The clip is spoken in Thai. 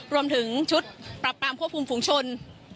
รวมถึงชุดปรับปรามควบคุมฝุงชน